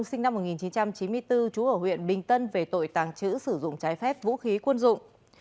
sinh năm một nghìn chín trăm chín mươi bốn trú ở huyện bình tân về tội tàng trữ sử dụng trái phép vũ khí quân dụng